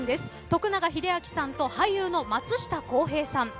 徳永英明さんと俳優の松下洸平さん